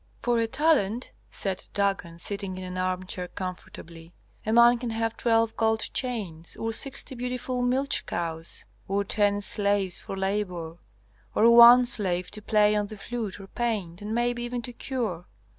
"For a talent," said Dagon, sitting in an armchair comfortably, "a man can have twelve gold chains, or sixty beautiful milch cows, or ten slaves for labor, or one slave to play on the flute or paint, and maybe even to cure.